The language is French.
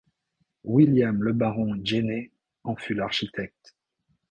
William Le Baron Jenney en fut l'architecte.